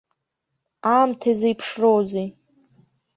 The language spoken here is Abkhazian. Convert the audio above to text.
Аамҭа зеиԥшроузеи?